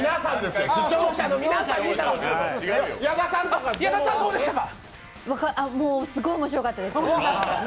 すごい面白かったです。